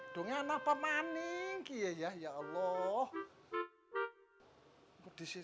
dengan pemaning kia ya allah berdisi